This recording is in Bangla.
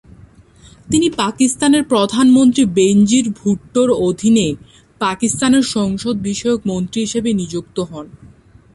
তিনি পাকিস্তানের প্রধানমন্ত্রী বেনজির ভুট্টো অধীনে পাকিস্তানের সংসদ বিষয়ক মন্ত্রী হিসেবে নিযুক্ত হন।